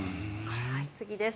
次です。